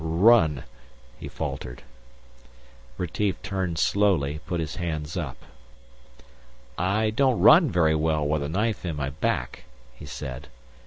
r run...." he faltered. Retief turned slowly, put his hands up. "I don't run very well with a knife in my back," he said.